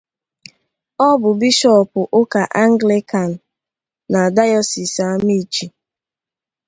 Ọ bụ Bishọọpụ ụka Angịlịkan na Dayọsiisi Amichi